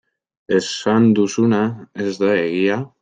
Esan duzuna ez da egia?